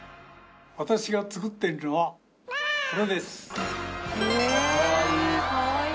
私が作っているのはこれです。へえかわいい。